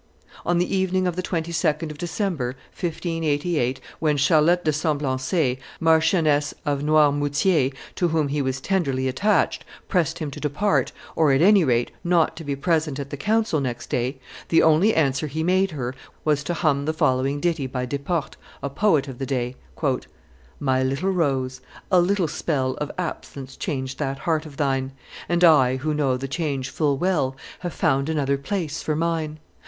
On the evening of the 22d of December, 1588, when Charlotte de Semblancay, Marchioness of Noirmoutiers, to whom he was tenderly attached, pressed him to depart, or at any rate not to be present at the council next day, the only answer he made her was to hum the following ditty, by Desportes, a poet of the day: "My little Rose, a little spell Of absence changed that heart of thine; And I, who know the change full well, Have found another place for mine.